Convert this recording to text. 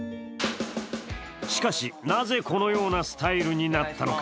しかし、なぜこのようなスタイルになったのか。